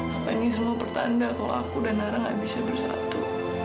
ngapain ini semua pertanda kalau aku dan nara gak bisa bersatu